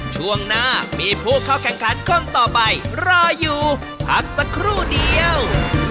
ช่วงหน้ามีผู้เข้าแข่งขันคนต่อไปรออยู่พักสักครู่เดียว